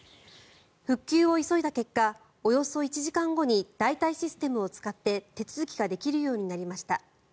復旧を急いだ結果およそ１時間後に代替システムを使って手続きができるようになりました。